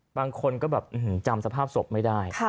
บางคนก็แบบจำสภาพศพไม่ได้